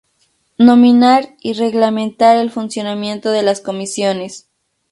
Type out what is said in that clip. Nominar y reglamentar el funcionamiento de las Comisiones.